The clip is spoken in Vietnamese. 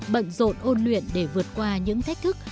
bận rộn ôn luyện để vượt qua những thách thức